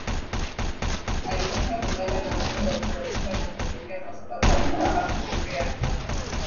alikataa kulala na mke wa potifa na kukimbia kwa sababu alifahamu amri ya Mungu